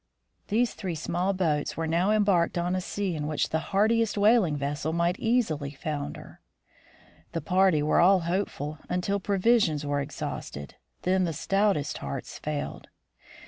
These three small boats were now embarked on a sea in which the hardiest whaling vessel might easily founder. The party were all hopeful until provisions were ex hausted; then the stoutest hearts failed.